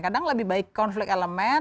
kadang lebih baik conflict element